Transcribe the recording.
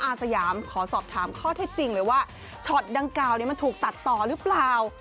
อาสยามขอสอบถามข้อเท็จจริงเลยว่าช็อตดังกล่าวมันถูกตัดต่อหรือเปล่า